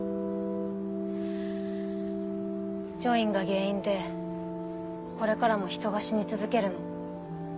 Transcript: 『ジョイン』が原因でこれからも人が死に続けるの。